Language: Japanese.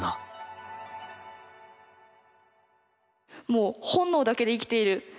もう本能だけで生きている。